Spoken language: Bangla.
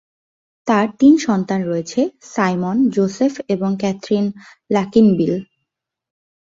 তার তিন সন্তান রয়েছে: সাইমন, জোসেফ এবং ক্যাথরিন লাকিনবিল।